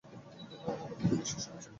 আমার হাতে বেশি সময় ছিল না।